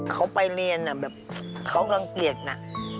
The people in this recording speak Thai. เขาไปเรียนเขากลังเกียรตินะ